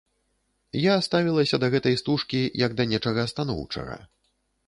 Я ставілася да гэтай стужкі, як да нечага станоўчага.